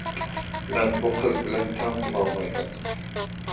مەن بۇ قىز بىلەن تەڭ بولالمايمەن.